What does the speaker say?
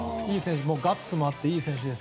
ガッツもあっていい選手です。